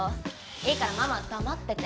いいからママは黙ってて。